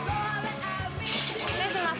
⁉失礼します